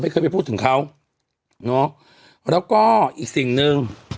เคยไปพูดถึงเขาเนาะแล้วก็อีกสิ่งหนึ่ง